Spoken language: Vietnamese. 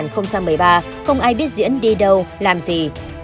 không ai biết diễn đi đâu làm gì